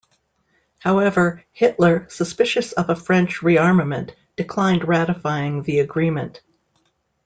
However, Hitler, suspicious of a French rearmament, declined ratifying the agreement.